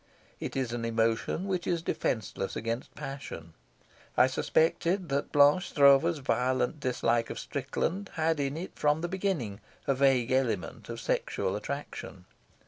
It is an emotion which is defenceless against passion. I suspected that Blanche Stroeve's violent dislike of Strickland had in it from the beginning a vague element of sexual attraction.